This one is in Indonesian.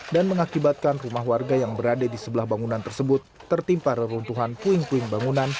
dan mengakibatkan rumah warga yang berada di sebelah bangunan tersebut tertimpa neruntuhan puing puing bangunan